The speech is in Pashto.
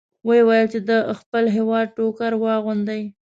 ویې ویل چې د خپل هېواد ټوکر واغوندئ.